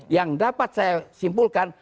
yang dapat saya simpulkan